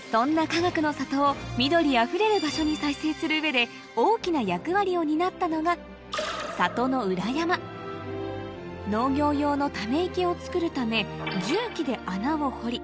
かがくの里を緑あふれる場所に再生する上で大きな役割を担ったのが農業用のため池をつくるためそこに裏山で見つけた